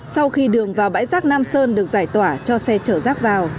sau khi đường vào bãi rác nam sơn được giải tỏa cho xe chở rác vào